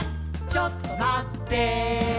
ちょっとまってぇー」